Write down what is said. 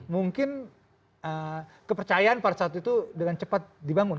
mungkin kepercayaan pada saat itu dengan cepat dibangun